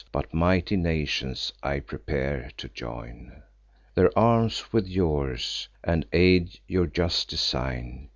But mighty nations I prepare, to join Their arms with yours, and aid your just design.